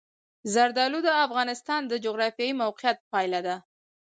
زردالو د افغانستان د جغرافیایي موقیعت پایله ده.